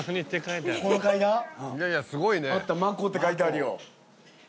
この階段？あった「マコ」って書いてあるよ。